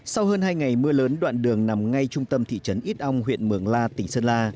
sau hơn hai ngày mưa lớn đoạn đường nằm ngay trung tâm thị trấn ít ong huyện mường la tỉnh sơn la